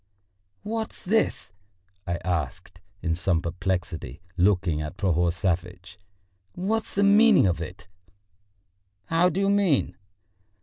"What's this?" I asked in some perplexity, looking at Prohor Savvitch. "What's the meaning of it?" "How do you mean?"